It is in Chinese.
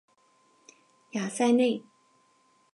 雅塞内。